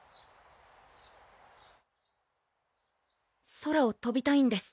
空をとびたいんです